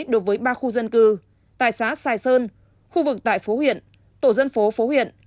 đối với ba khu dân cư tại xã sài sơn khu vực tại phố huyện tổ dân phố huyện